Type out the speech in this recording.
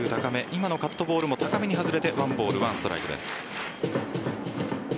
今のカットボールも高めに外れて１ボール１ストライクです。